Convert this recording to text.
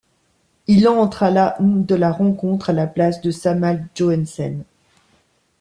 Il entre à la de la rencontre, à la place de Sámal Joensen.